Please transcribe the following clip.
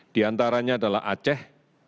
di antaranya adalah aceh